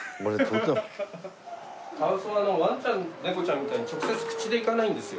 カワウソはワンちゃん猫ちゃんみたいに直接口でいかないんですよ。